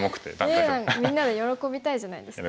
ええみんなで喜びたいじゃないですか。